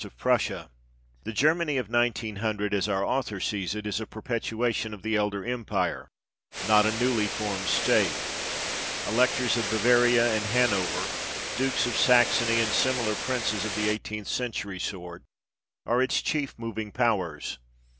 of Prussia. The Germany of 1900, as our author sees it, is a perpetuation of the elder empire, not a newly formed state. Electors of Bavaria and Hanover, Dukes of Saxony, and similar princes of the eighteenth century sort, are its chief moving powers.